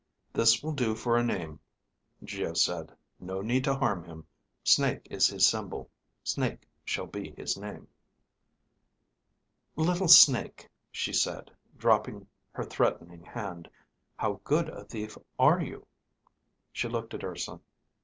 "This will do for a name," Geo said. "No need to harm him. Snake is his symbol; Snake shall be his name." "Little Snake," she said, dropping her threatening hand, "how good a thief are you?" She looked at Urson.